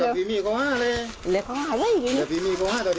ซึ่งนี่ดีข้อก็ลักการพรุ่งประมาณนี้นี่ดี